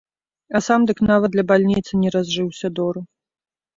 А сам дык нават для бальніцы не разжыўся дору!